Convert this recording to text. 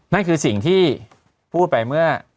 นั่นคือสิ่งที่พูดไปเมื่อ